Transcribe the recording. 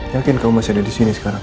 yakin kamu masih ada disini sekarang